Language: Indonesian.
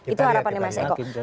itu harapannya mas eko